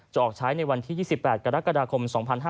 ออกใช้ในวันที่๒๘กรกฎาคม๒๕๕๙